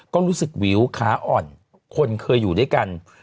ก็รู้สึกวิวขาอ่อนคนเคยอยู่ด้วยกัน